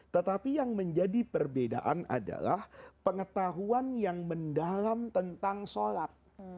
tetapi yang menjadi perbedaan adalah pengetahuan yang mendalam tentang sholat